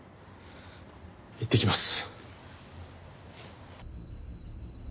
行ってきます。